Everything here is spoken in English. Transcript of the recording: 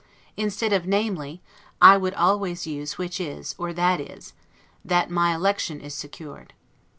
Instead of NAMELY, I would always use WHICH IS, or THAT IS, that my election is secured.